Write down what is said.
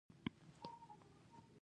ژوندي د ماشومانو تربیه کوي